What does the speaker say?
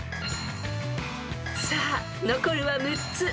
［さあ残るは６つ］